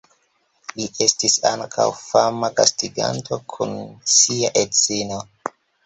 Li estis ankaŭ fama gastiganto kun sia edzino.